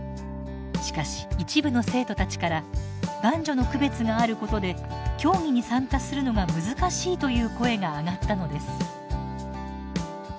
しかし一部の生徒たちから男女の区別があることで競技に参加するのが難しいという声が上がったのです。